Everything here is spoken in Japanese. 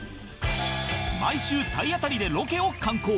毎週体当たりでロケを敢行